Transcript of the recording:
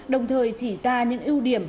đồng thời chỉ ra những ưu điểm